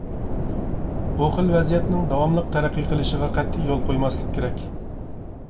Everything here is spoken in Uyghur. بۇ خىل ۋەزىيەتنىڭ داۋاملىق تەرەققىي قىلىشىغا قەتئىي يول قويماسلىق كېرەك.